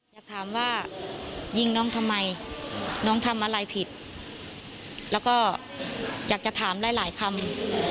อยากถามว่ายิงน้องทำไมน้องทำอะไรผิดแล้วก็อยากจะถามหลายหลายคำ